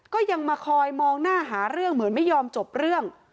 ก็ยังมาคอยมองหน้าหาเรื่องเหมือนไม่ยอมจบเรื่อง